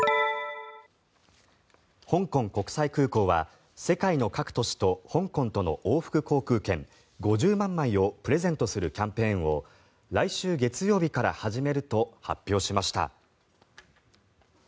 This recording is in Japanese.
香港国際空港は世界の各都市と香港との往復航空券５０万枚をプレゼントするキャンペーンを来週月曜日から始まると発表しました。